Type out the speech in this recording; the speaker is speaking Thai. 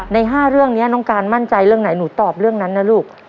ใน๕เรื่องนี้น้องการมั่นใจเรื่องไหนหนูตอบเรื่องนั้นนะลูก